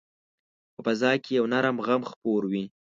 په فضا کې یو نرم غم خپور وي